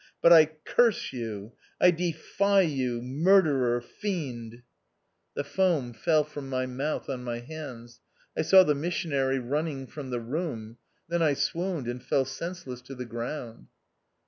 But I curse you, I defy you ... murderer ... fiend ..." THE OUTCAST. 213 The foam fell from my moutli on my hands. I saw the missionary running from the room. Then I swooned and fell senseless to the ground.